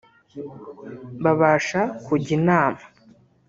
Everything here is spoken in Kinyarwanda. babasha kujya inama